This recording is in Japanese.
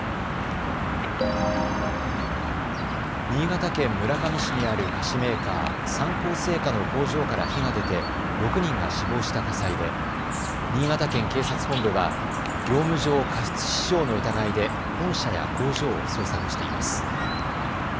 新潟県村上市にある菓子メーカー、三幸製菓の工場から火が出て６人が死亡した火災で新潟県警察本部は業務上過失致死傷の疑いで本社や工場を捜索しています。